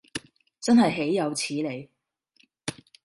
真係豈有此理